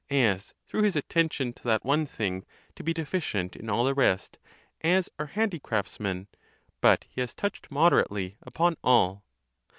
427 through his attention to that one thing, to be deficient in all the rest, as are handicraftsmen, but he has touched moderately upon all.